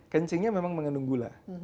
kencingnya memang mengandung gula